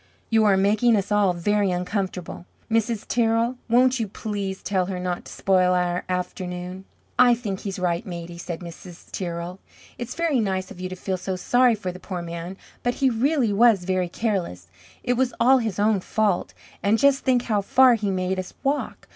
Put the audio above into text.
You are making us all very uncomfortable. Mrs. Tirrell, won't you please tell her not to spoil our afternoon?" "I think he's right, Maidie," said Mrs. Tirrell. "It's very nice of you to feel so sorry for the poor man, but he really was very careless. It was all his own fault. And just think how far he made us walk!